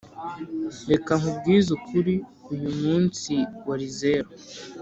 reka nkubwize ukuri uyu munsi wari zero